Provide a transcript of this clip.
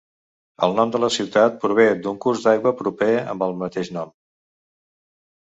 El nom de la ciutat prové d'un curs d'aigua proper amb el mateix nom.